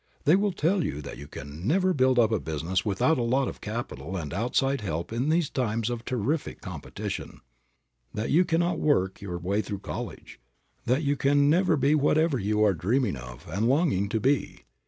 They will tell you that you never can build up a business without a lot of capital and outside help in these times of terrific competition, that you cannot work your way through college, that you can never be whatever you are dreaming of and longing to be.